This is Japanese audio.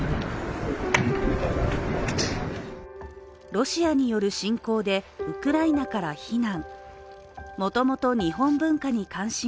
ロシアによる侵攻でウクライナから避難。